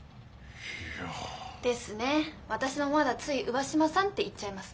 私もまだつい上嶋さんって言っちゃいます。